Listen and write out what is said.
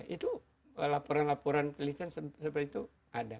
itu laporan laporan pelitian seperti itu ada